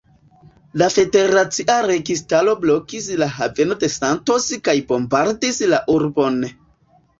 La federacia registaro blokis la haveno de Santos kaj bombardis la urbon.